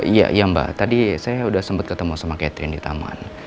iya mba tadi saya udah sempet ketemu sama catherine di taman